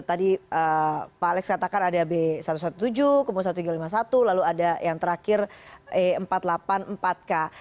tadi pak alex katakan ada b satu ratus tujuh belas kemudian satu tiga ratus lima puluh satu lalu ada yang terakhir e empat ratus delapan puluh empat k